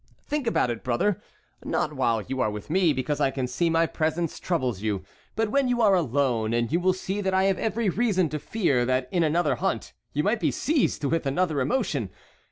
Think about it, brother, not while you are with me, because I can see my presence troubles you, but when you are alone, and you will see that I have every reason to fear that in another hunt you might be seized with another emotion.